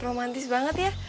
romantis banget ya